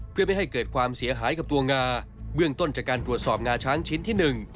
เพื่อไม่ให้เกิดความเสียหายกับตัวงาเบื้องต้นจากการตรวจสอบงาช้างชิ้นที่๑